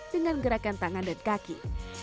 dengan gerakan tangan dan kaki